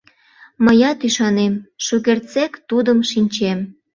— Мыят ӱшанем, шукертсек тудым шинчем.